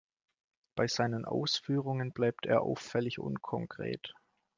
Bei seinen Ausführungen bleibt er auffällig unkonkret.